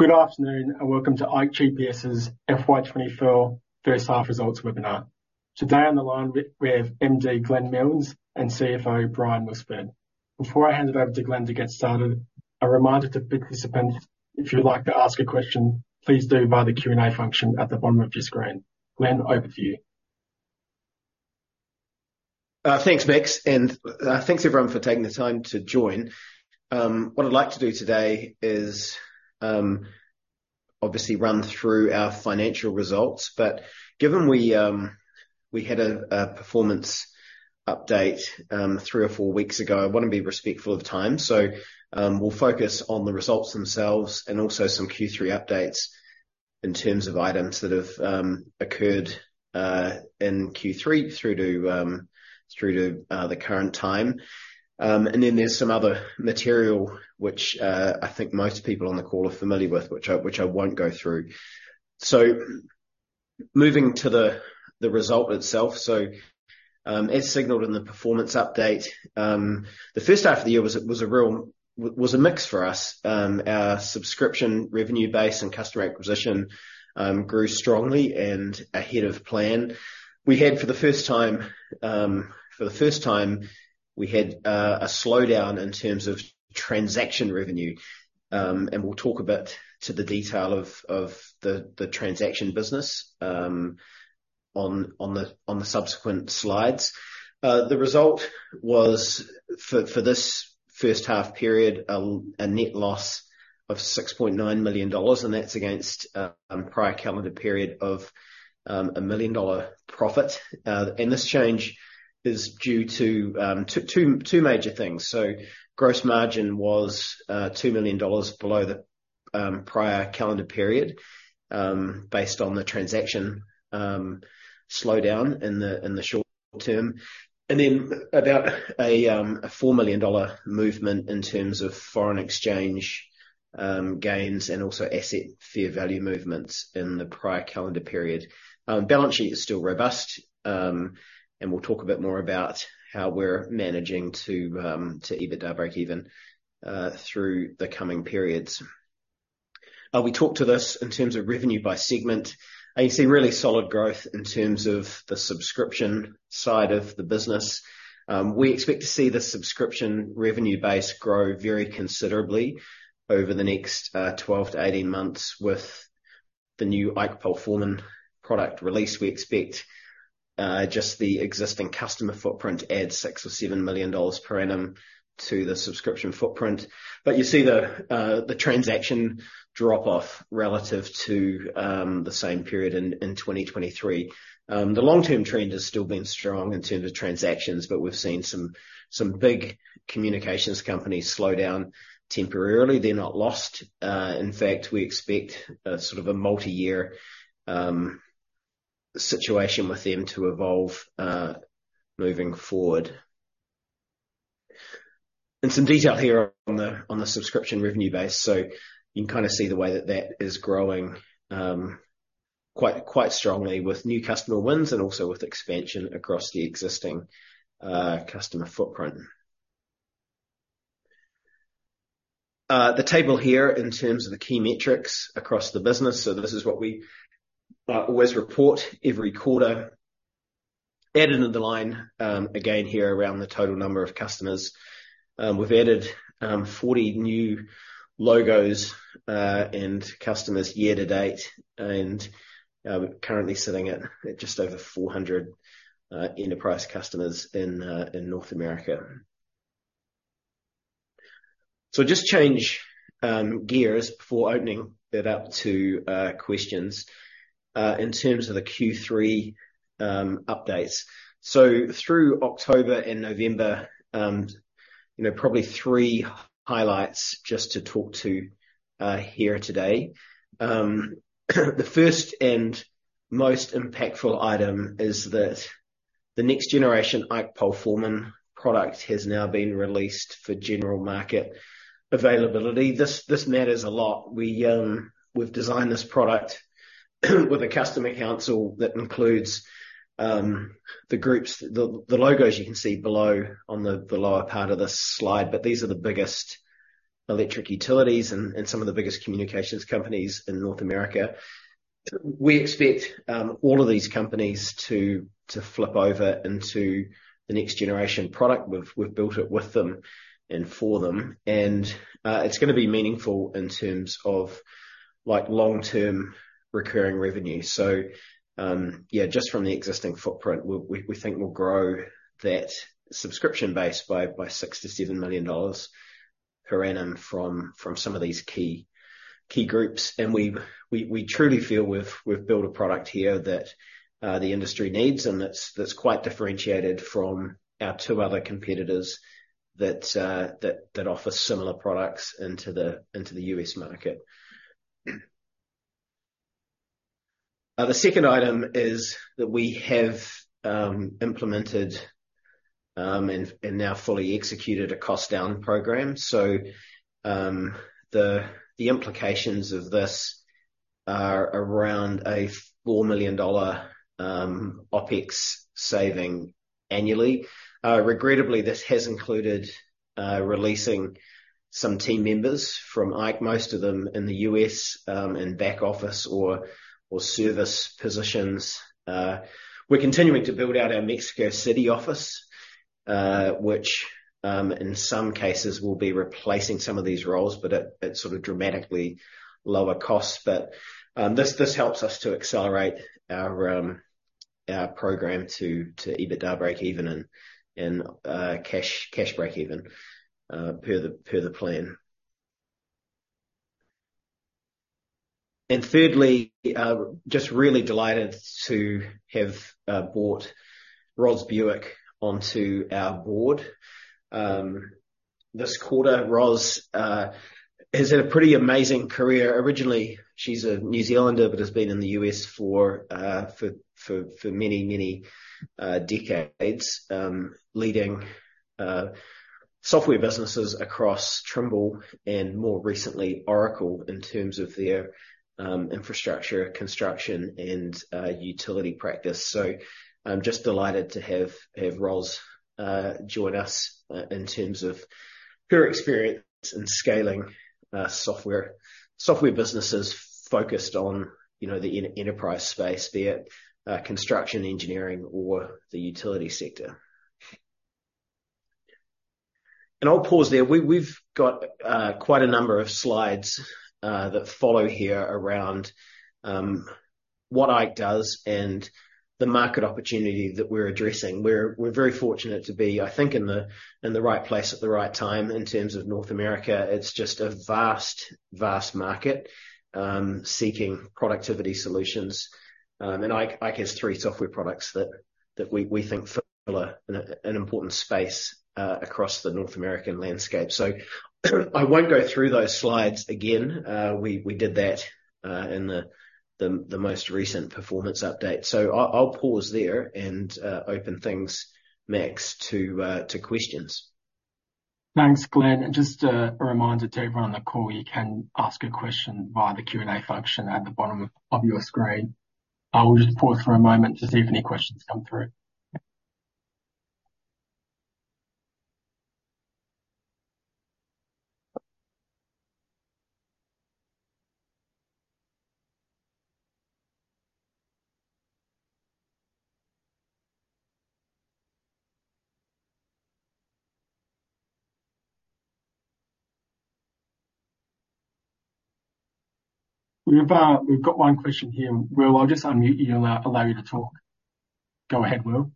Good afternoon, and welcome to ikeGPS's FY 2024 First Half results Webinar. Today on the line, we have MD Glenn Milnes and CFO Brian Musfeldt. Before I hand it over to Glenn to get started, a reminder to participants, if you'd like to ask a question, please do via the Q&A function at the bottom of your screen. Glenn, over to you. Thanks, Max, and thanks, everyone, for taking the time to join. What I'd like to do today is obviously run through our financial results, but given we had a performance update three or four weeks ago, I want to be respectful of time. We'll focus on the results themselves and also some Q3 updates in terms of items that have occurred in Q3 through to the current time. Then there's some other material which I think most people on the call are familiar with, which I won't go through. Moving to the result itself. As signaled in the performance update, the first half of the year was a real mix for us. Our subscription revenue base and customer acquisition grew strongly and ahead of plan. We had, for the first time, a slowdown in terms of transaction revenue. And we'll talk a bit to the detail of the transaction business on the subsequent slides. The result was, for this first half period, a net loss of 6.9 million dollars, and that's against a prior calendar period of a 1 million dollar profit. And this change is due to two major things. So gross margin was 2 million dollars below the prior calendar period based on the transaction slowdown in the short term. Then about a four million dollar movement in terms of foreign exchange gains, and also asset fair value movements in the prior calendar period. Balance sheet is still robust, and we'll talk a bit more about how we're managing to EBITDA breakeven through the coming periods. We talked to this in terms of revenue by segment. You see really solid growth in terms of the subscription side of the business. We expect to see the subscription revenue base grow very considerably over the next 12-18 months with the new IKE PoleForeman product release. We expect just the existing customer footprint to add 6-7 million dollars per annum to the subscription footprint. But you see the transaction drop off relative to the same period in 2023. The long-term trend has still been strong in terms of transactions, but we've seen some big communications companies slow down temporarily. They're not lost. In fact, we expect a sort of a multi-year situation with them to evolve moving forward. And some detail here on the subscription revenue base. So you can kind of see the way that that is growing quite strongly with new customer wins and also with expansion across the existing customer footprint. The table here in terms of the key metrics across the business, so this is what we always report every quarter. Added another line, again, here around the total number of customers. We've added 40 new logos and customers year to date, and we're currently sitting at just over 400 enterprise customers in North America. So just change gears before opening it up to questions. In terms of the Q3 updates. So through October and November, you know, probably three highlights just to talk to here today. The first and most impactful item is that the next generation IKE PoleForeman product has now been released for general market availability. This matters a lot. We've designed this product with a customer council that includes the groups, the logos you can see below on the lower part of this slide, but these are the biggest electric utilities and some of the biggest communications companies in North America. We expect all of these companies to flip over into the next generation product. We've built it with them and for them, and it's gonna be meaningful in terms of like long-term recurring revenue. So, yeah, just from the existing footprint, we think we'll grow that subscription base by $6 million-$7 million per annum from some of these key groups. And we truly feel we've built a product here that the industry needs and that's quite differentiated from our two other competitors that offer similar products into the US market. The second item is that we have implemented and now fully executed a cost-down program. So, the implications of this are around a $4 million OpEx saving annually. Regrettably, this has included releasing some team members from IKE, most of them in the US, in back office or service positions. We're continuing to build out our Mexico City office, which in some cases will be replacing some of these roles, but at sort of dramatically lower costs. This helps us to accelerate our program to EBITDA breakeven and cash breakeven, per the plan. Thirdly, just really delighted to have brought Roz Buick onto our board this quarter. Roz has had a pretty amazing career. Originally, she's a New Zealander, but has been in the US for many, many decades, leading software businesses across Trimble and more recently, Oracle, in terms of their infrastructure, construction, and utility practice. So I'm just delighted to have Roz join us in terms of her experience in scaling software businesses focused on, you know, the enterprise space, be it construction, engineering, or the utility sector. And I'll pause there. We've got quite a number of slides that follow here around what IKE does and the market opportunity that we're addressing. We're very fortunate to be, I think, in the right place at the right time in terms of North America. It's just a vast, vast market seeking productivity solutions. And IKE has three software products that we think fill an important space across the North American landscape. So, I won't go through those slides again. We did that in the most recent performance update. So I'll pause there and open things, Max, to questions. Thanks, Glenn. Just a reminder to everyone on the call, you can ask a question via the Q&A function at the bottom of your screen. I will just pause for a moment to see if any questions come through. We've got one question here. Will, I'll just unmute you and allow you to talk. Go ahead, Will.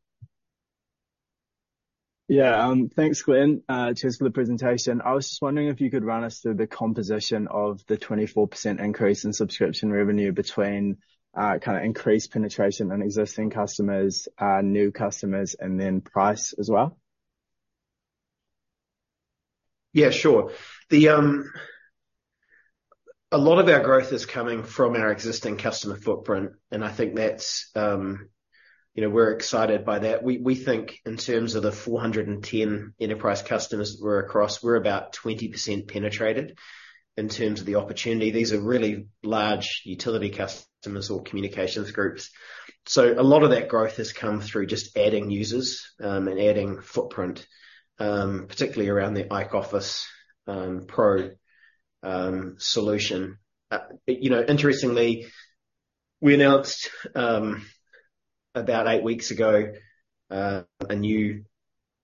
Yeah, thanks, Glenn. Cheers for the presentation. I was just wondering if you could run us through the composition of the 24% increase in subscription revenue between, kinda increased penetration and existing customers, new customers, and then price as well. Yeah, sure. The... A lot of our growth is coming from our existing customer footprint, and I think that's, you know, we're excited by that. We, we think in terms of the 410 enterprise customers we're across, we're about 20% penetrated in terms of the opportunity. These are really large utility customers or communications groups. So a lot of that growth has come through just adding users, and adding footprint, particularly around the IKE Office Pro solution. You know, interestingly, we announced, about eight weeks ago, a new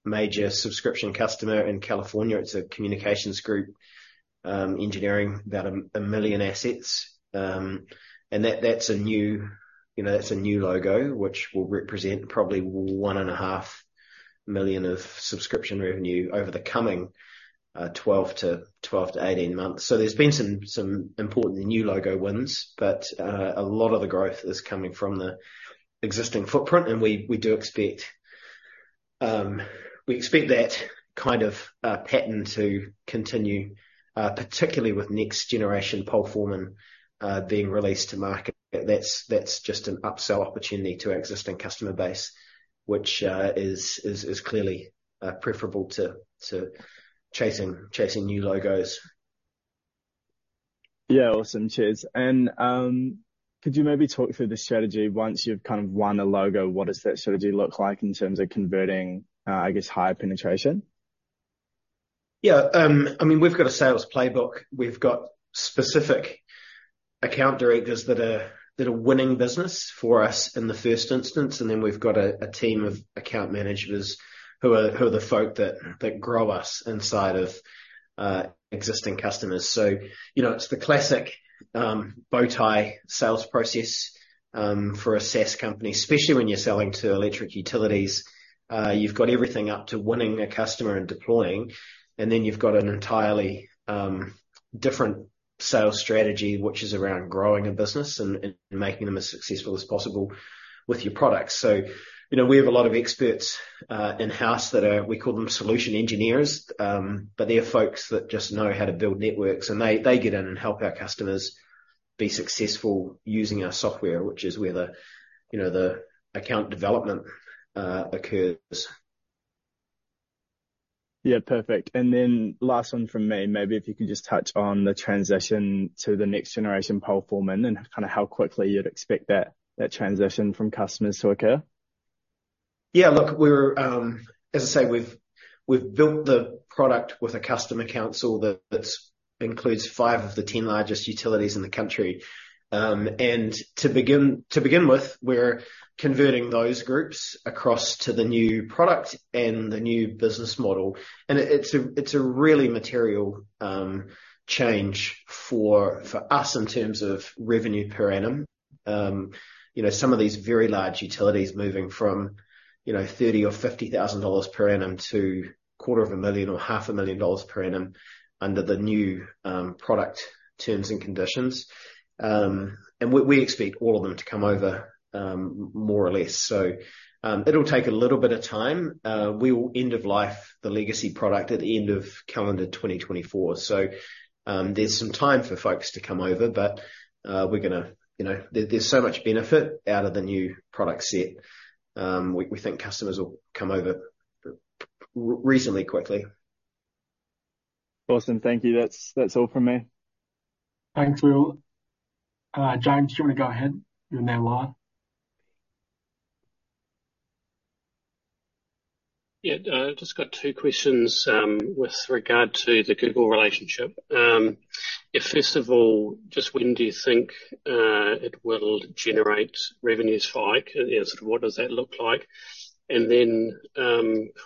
major subscription customer in California. It's a communications group, engineering about a 1 million assets. And that's a new, you know, that's a new logo, which will represent probably 1.5 million of subscription revenue over the coming 12-18 months. So there's been some important new logo wins, but a lot of the growth is coming from the existing footprint, and we do expect we expect that kind of pattern to continue, particularly with next-generation PoleForeman being released to market. That's just an upsell opportunity to our existing customer base, which is clearly preferable to chasing new logos. Yeah. Awesome. Cheers. And, could you maybe talk through the strategy once you've kind of won a logo? What does that strategy look like in terms of converting, I guess, higher penetration? Yeah. I mean, we've got a sales playbook. We've got specific account directors that are winning business for us in the first instance, and then we've got a team of account managers who are the folk that grow us inside of existing customers. So, you know, it's the classic bow tie sales process for a SaaS company, especially when you're selling to electric utilities. You've got everything up to winning a customer and deploying, and then you've got an entirely different sales strategy, which is around growing a business and making them as successful as possible with your products. So, you know, we have a lot of experts in-house that are. We call them solution engineers, but they're folks that just know how to build networks, and they get in and help our customers be successful using our software, which is where, you know, the account development occurs.... Yeah, perfect. And then last one from me, maybe if you could just touch on the transition to the next generation PoleForeman, and kind of how quickly you'd expect that, that transition from customers to occur. Yeah, look, we're. As I say, we've built the product with a customer council that includes fiveof the 10 largest utilities in the country. And to begin with, we're converting those groups across to the new product and the new business model. And it's a really material change for us in terms of revenue per annum. You know, some of these very large utilities moving from, you know, $30,000 or $50,000 per annum to $250,000 or $500,000 per annum under the new product terms and conditions. And we expect all of them to come over, more or less. So, it'll take a little bit of time. We will end of life the legacy product at the end of calendar 2024. So, there's some time for folks to come over, but we're gonna, you know, there's so much benefit out of the new product set. We think customers will come over reasonably quickly. Awesome. Thank you. That's, that's all from me. Thanks, Will. James, do you want to go ahead? You're now live. Yeah. Just got two questions, with regard to the Google relationship. Yeah, first of all, just when do you think it will generate revenues for IKE? And sort of what does that look like? And then,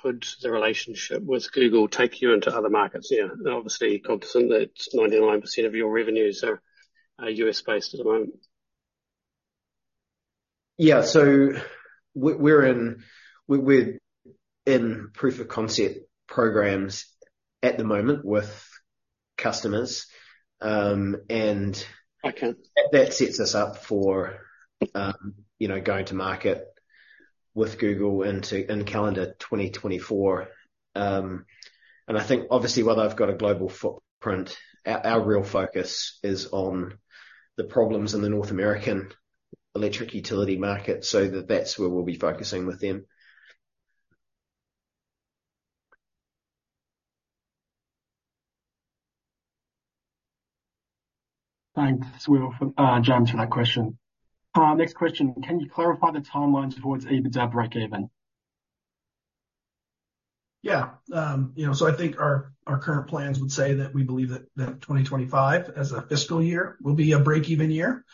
could the relationship with Google take you into other markets? Yeah, obviously, cognizant that 99% of your revenues are U.S.-based at the moment. Yeah. So we're in proof of concept programs at the moment with customers. Okay. That sets us up for, you know, going to market with Google into, in calendar 2024. And I think obviously, while they've got a global footprint, our real focus is on the problems in the North American electric utility market. So that's where we'll be focusing with them. Thanks, Will, James, for that question. Next question: Can you clarify the timelines towards EBITDA breakeven? Yeah. You know, so I think our current plans would say that we believe that 2025 as a fiscal year will be a breakeven year.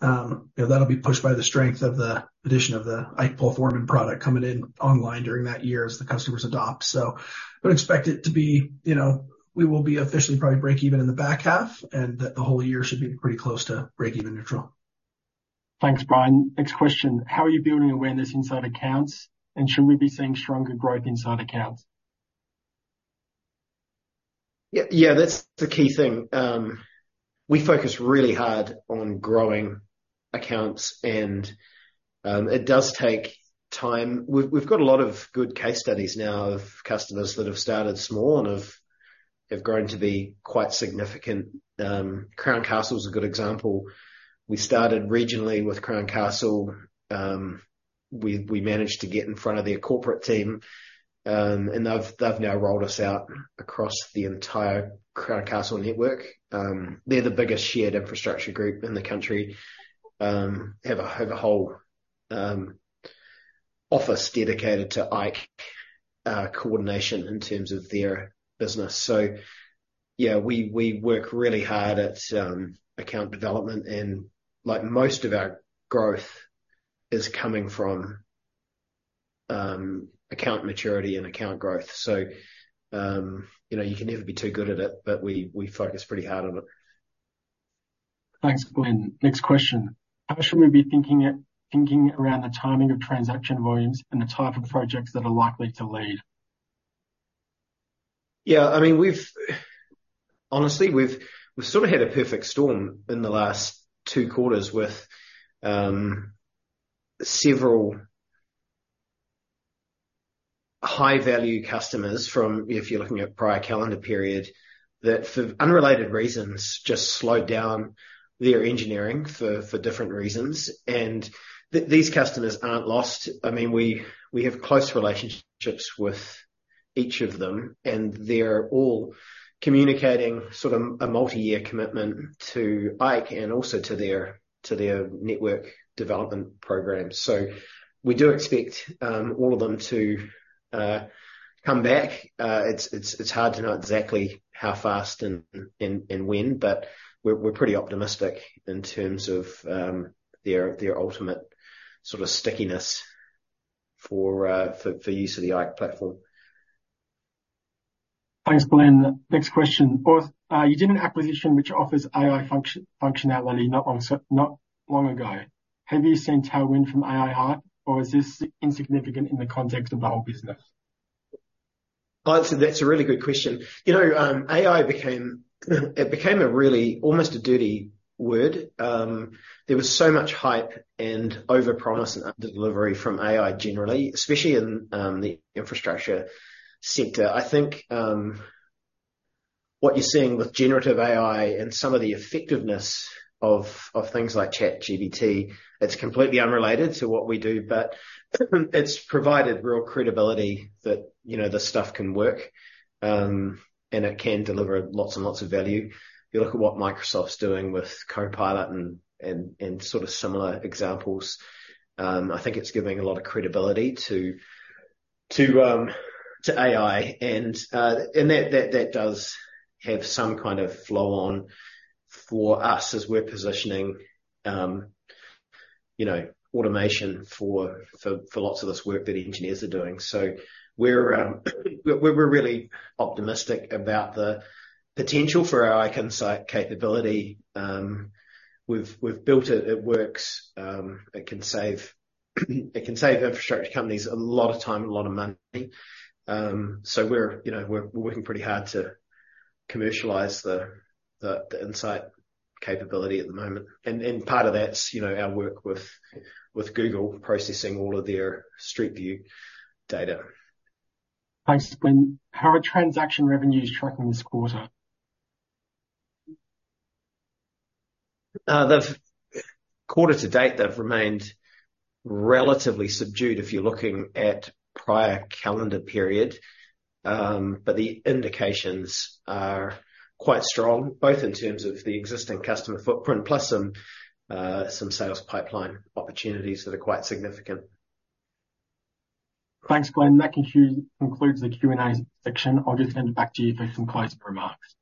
You know, that'll be pushed by the strength of the addition of the IKE PoleForeman product coming in online during that year as the customers adopt. So, we would expect it to be, you know, we will be officially probably breakeven in the back half, and that the whole year should be pretty close to breakeven neutral. Thanks, Brian. Next question: How are you building awareness inside accounts, and should we be seeing stronger growth inside accounts? Yeah, yeah, that's the key thing. We focus really hard on growing accounts, and it does take time. We've got a lot of good case studies now of customers that have started small and have grown to be quite significant. Crown Castle is a good example. We started regionally with Crown Castle. We managed to get in front of their corporate team, and they've now rolled us out across the entire Crown Castle network. They're the biggest shared infrastructure group in the country. Have a whole office dedicated to IKE coordination in terms of their business. So yeah, we work really hard at account development, and like most of our growth is coming from account maturity and account growth. You know, you can never be too good at it, but we focus pretty hard on it. Thanks, Glenn. Next question: How should we be thinking around the timing of transaction volumes and the type of projects that are likely to lead? Yeah, I mean, we've honestly sort of had a perfect storm in the last two quarters with several high-value customers from, if you're looking at prior calendar period, that for unrelated reasons, just slowed down their engineering for different reasons. And these customers aren't lost. I mean, we have close relationships with each of them, and they're all communicating sort of a multi-year commitment to IKE and also to their network development programs. So we do expect all of them to come back. It's hard to know exactly how fast and when, but we're pretty optimistic in terms of their ultimate sort of stickiness for use of the IKE platform. Thanks, Glenn. Next question. Both, you did an acquisition which offers AI function, functionality not long ago. Have you seen tailwind from AI hype, or is this insignificant in the context of the whole business? Oh, so that's a really good question. You know, AI became, it became a really, almost a dirty word. There was so much hype and overpromise and under-delivery from AI generally, especially in the infrastructure sector. I think what you're seeing with generative AI and some of the effectiveness of, of things like ChatGPT, it's completely unrelated to what we do, but it's provided real credibility that, you know, this stuff can work, and it can deliver lots and lots of value. If you look at what Microsoft's doing with Copilot and, and, and sort of similar examples, I think it's giving a lot of credibility to, to, to AI. And, and that, that, that does have some kind of flow on for us as we're positioning, you know, automation for, for, for lots of this work that engineers are doing. So we're really optimistic about the potential for our IKE Insight capability. We've built it. It works. It can save infrastructure companies a lot of time and a lot of money. So we're, you know, working pretty hard to commercialize the IKE Insight capability at the moment. And part of that's, you know, our work with Google, processing all of their Street View data. Thanks, Glenn. How are transaction revenues tracking this quarter? The quarter to date, they've remained relatively subdued if you're looking at prior calendar period. But the indications are quite strong, both in terms of the existing customer footprint, plus some, some sales pipeline opportunities that are quite significant. Thanks, Glenn. That concludes the Q&A section. I'll just hand it back to you for some closing remarks.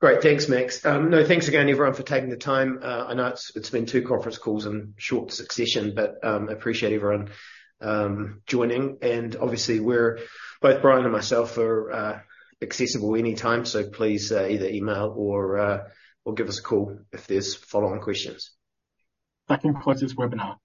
Great. Thanks, Max. Thanks again, everyone, for taking the time. I know it's been two conference calls in short succession, but I appreciate everyone joining. And obviously, we're both Brian and myself are accessible anytime, so please, either email or give us a call if there's follow-on questions. That concludes this webinar.